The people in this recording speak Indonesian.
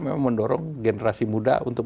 memang mendorong generasi muda untuk